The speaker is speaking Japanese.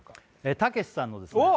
たけしさんのですね